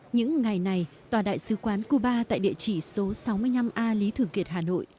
những ngày này tòa đại sứ quán cuba tại địa chỉ số sáu mươi năm a lý thường kiệt hà nội